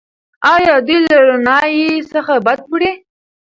ایا دوی له رڼایي څخه بدې راځي؟